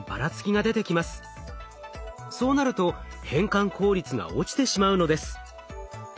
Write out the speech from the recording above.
そうなると変換効率が落ちてしまうのです。